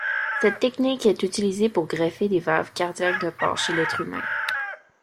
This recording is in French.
Cette technique est utilisée pour greffer des valves cardiaques de porcs chez l'être humain.